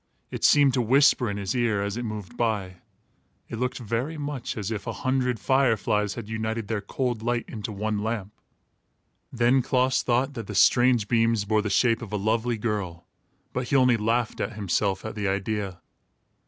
It seemed to whisper in his ear, as it moved by. It looked very much as if a hundred fire flies had united their cold light into one lamp. Then Klaas thought that the strange beams bore the shape of a lovely girl, but he only laughed at himself at the idea.